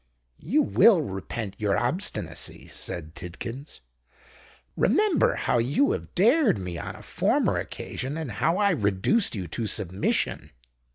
"You will repent your obstinacy," said Tidkins. "Remember how you have dared me on a former occasion, and how I reduced you to submission."